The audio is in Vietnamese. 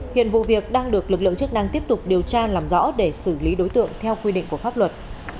hiện vụ việc đang được lực lượng chức năng tiếp tục điều tra làm rõ để xử lý đối tượng theo quy định của pháp luật